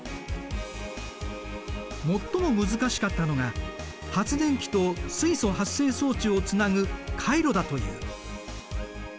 最も難しかったのが発電機と水素発生装置をつなぐ回路だという。